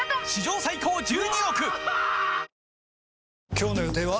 今日の予定は？